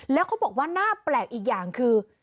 แล้วเขาบอกว่าน่าแปลกอีกอย่างคือ